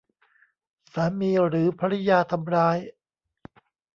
สามีหรือภริยาทำร้าย